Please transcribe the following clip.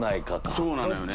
そうなのよね。